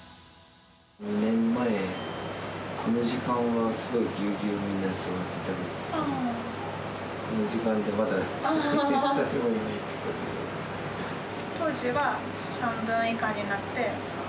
２年前、この時間はすごいぎゅうぎゅうにみんな座って食べてたけど、当時は、半分以下になって。